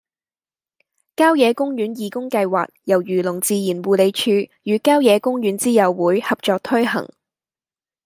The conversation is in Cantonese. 郊野公園義工計劃由漁農自然護理署與郊野公園之友會合作推行